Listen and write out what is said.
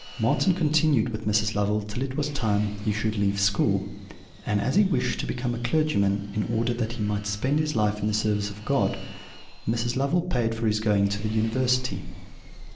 "Marten continued with Mrs. Lovel till it was time he should leave school; and as he wished to become a clergyman, in order that he might spend his life in the service of God, Mrs. Lovel paid for his going to the University.